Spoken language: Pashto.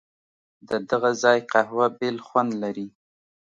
ددغه ځای قهوه بېل خوند لري.